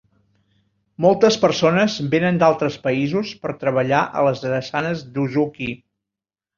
Moltes persones venen d'altres països per treballar a les drassanes d'Usuki.